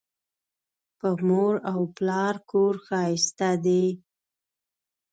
په مور او پلار کور ښایسته دی